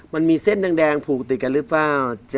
มันมีเส้นแดงผูกติดกันหรือเปล่า